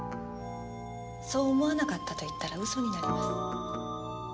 そう思わなかったと言ったら嘘になります。